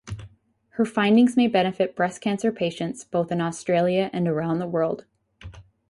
Her findings may benefit breast cancer patients both in Australia and around the world.